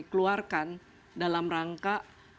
keluarkan dalam rangka